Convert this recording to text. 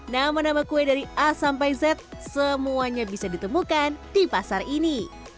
nama nama kue dari a sampai z semuanya bisa ditemukan di pasar ini